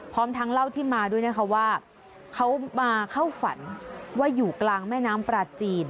พร้อมทั้งเล่าที่มาด้วยนะคะว่าเขามาเข้าฝันว่าอยู่กลางแม่น้ำปลาจีน